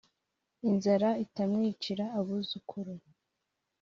inzara itamwicira abuzukuru